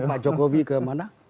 pak jokowi kemana